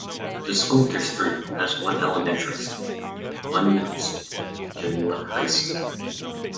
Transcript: The school district has one elementary school, one middle school, and one high school.